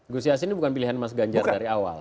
gus yassin ini bukan pilihan mas ganjar dari awal